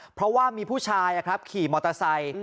เพราะว่ามีผู้ชายขี่มอเตอร์ไซค์